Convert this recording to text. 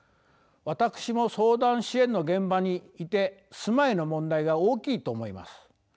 私も相談支援の現場にいて住まいの問題が大きいと思います。